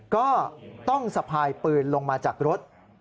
ก็ต้องสะพายปืนลงมาจากรถ